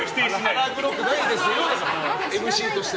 腹黒くないですよでしょ